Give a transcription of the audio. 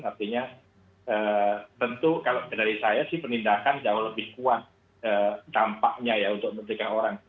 artinya tentu kalau dari saya sih penindakan jauh lebih kuat dampaknya ya untuk merdeka orang